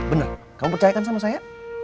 bener kamu percaya kan sama saya